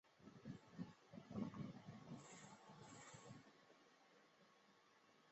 尽管另外一个成功的原因是对东德年轻人的系统培养。